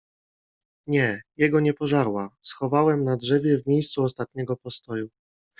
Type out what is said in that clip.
- Nie, jego nie pożarła. Schowałem na drzewie, w miejscu ostatniego postoju.